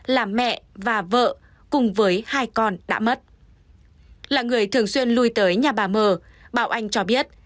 là người thường xuyên lùi tới nhà bà mờ bảo anh cho biết